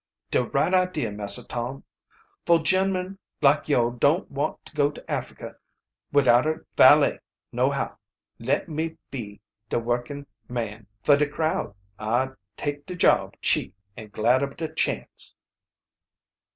"De right idea, Massah Tom. Foah gen'men like yo' don't want to go to Africa widout a valet nohow. Let me be de workin' man fe de crowd. I'll take de job, cheap, an' glad ob de chance."